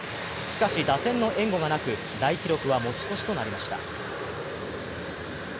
しかし打線の援護がなく、大記録は持ち越しとなりました。